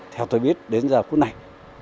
theo tôi biết đến giờ phút này